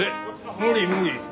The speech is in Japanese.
無理無理。